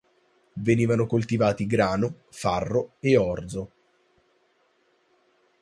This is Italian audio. Venivano coltivati grano, farro e orzo.